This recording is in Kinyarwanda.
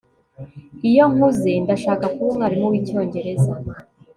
Iyo nkuze ndashaka kuba umwarimu wicyongereza